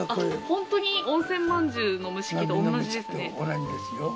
ほんとにまんじゅうの蒸し器と同じですよ。